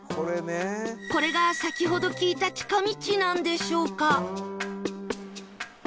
これが先ほど聞いた近道なんでしょうか？